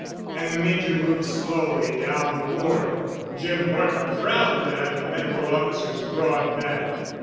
And the Major moved slowly down the ward. Jim Horton frowned at the medical officer's broad back.